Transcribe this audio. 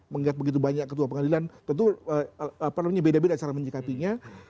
mengingat begitu banyak ketua pengadilan tentu perlunya beda beda cara menyikapinya